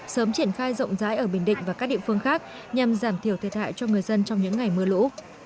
sớm triển khai rộng rãi ở bình định và các địa phương khác nhằm giảm thiểu thiệt hại cho người dân trong những ngày mưa lũ